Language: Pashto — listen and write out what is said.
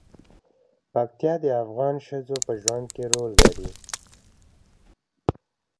پکتیا د افغان ښځو په ژوند کې رول لري.